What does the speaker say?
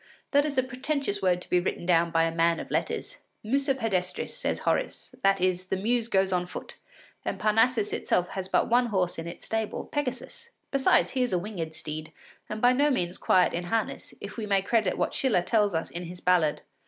That is a pretentious word to be written down by a man of letters! Musa pedestris, says Horace; that is, the Muse goes on foot, and Parnassus itself has but one horse in its stable, Pegasus. Besides, he is a winged steed and by no means quiet in harness, if we may credit what Schiller tells us in his ballad.